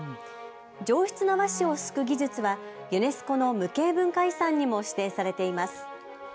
上質な和紙をすく技術はユネスコの無形文化遺産にも指定されています。